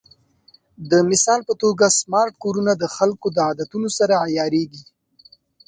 د مثال په توګه، سمارټ کورونه د خلکو د عادتونو سره عیارېږي.